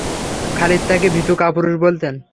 খালিদ তাকে ভীতু-কাপুরুষ বলতেন।